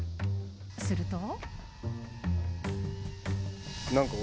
すると。